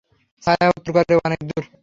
ছায়া উত্তর করে, অনেক দূর।